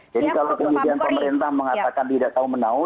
jadi kalau kemudian pemerintah mengatakan tidak tahu menau